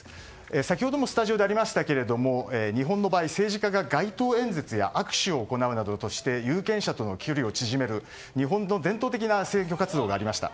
先ほどもスタジオでありましたが日本の場合、政治家が街頭演説や握手を行うなどして有権者との距離を縮める日本の伝統的な選挙活動がありました。